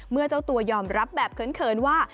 เมื่อเจ้าตัวยอ่อนรับแบบเขินว่า